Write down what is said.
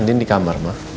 andien di kamar ma